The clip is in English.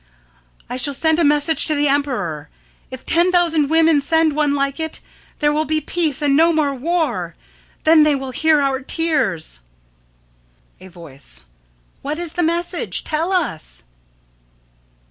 _] I shall send a message to the emperor. If ten thousand women send one like it, there will be peace and no more war. Then they will hear our tears. A Voice: What is the message? Tell us!